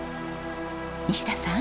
西田さん